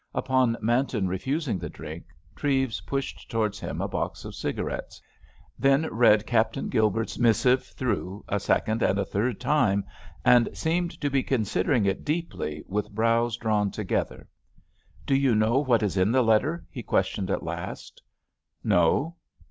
Upon Manton refusing the drink, Treves pushed towards him a box of cigarettes. Then read Captain Gilbert's missive through a second and a third time, and seemed to be considering it deeply with brows drawn together. "Do you know what is in this letter?" he questioned at last. "No."